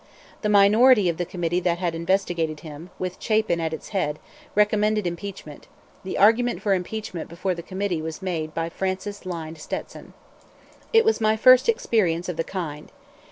The minority of the committee that investigated him, with Chapin at its head, recommended impeachment; the argument for impeachment before the committee was made by Francis Lynde Stetson. It was my first experience of the kind.